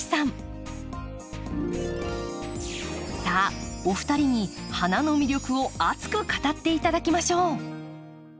さあお二人に花の魅力を熱く語って頂きましょう。